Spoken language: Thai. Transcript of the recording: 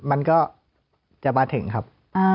มันก็จะมาถึงครับ